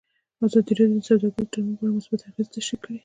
ازادي راډیو د سوداګریز تړونونه په اړه مثبت اغېزې تشریح کړي.